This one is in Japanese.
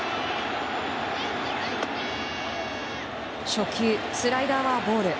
初球スライダーはボール。